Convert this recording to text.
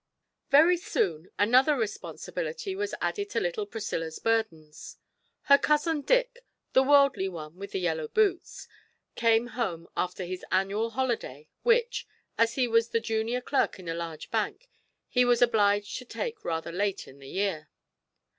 Very soon another responsibility was added to little Priscilla's burdens. Her cousin Dick, the worldly one with the yellow boots, came home after his annual holiday, which, as he was the junior clerk in a large bank, he was obliged to take rather late in the year.